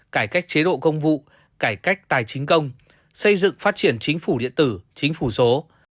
cải cách chế độ công vụ cải cách tài chính công xây dựng phát triển chính phủ điện tử chính phủ số